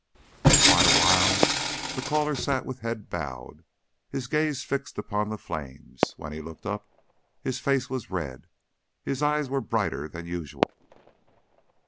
For quite a while the caller sat with head bowed, with his gaze fixed upon the flames; when he looked up his face was red, his eyes were brighter than usual.